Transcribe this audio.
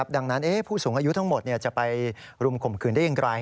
ดังนั้นผู้สูงอายุทั้งหมดจะไปรุมข่มขืนได้อย่างไร